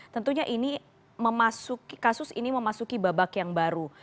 tentunya ini kasus ini memasuki babak yang baru